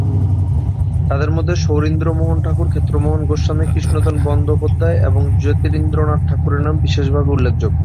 তাঁদের মধ্যে শৌরীন্দ্রমোহন ঠাকুর, ক্ষেত্রমোহন গোস্বামী, কৃষ্ণধন বন্দ্যোপাধ্যায় এবং জ্যোতিরিন্দ্রনাথ ঠাকুরের নাম বিশেষভাবে উল্লেখযোগ্য।